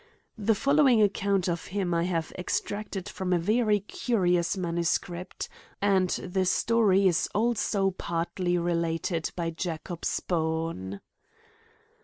The following account of him I have ex tracted from a very curious manuscript ; and the story is also partly related by Jacob Spohn.